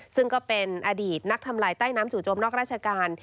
ซึ่งก็เป็นอดีตนักทำลายใต้น้ำจู่โจมนอกราชการ